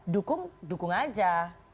dukung dukung aja